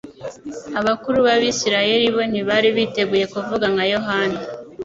Abakuru b'Abisirayeli bo ntibari biteguye kuvuga nka Yohana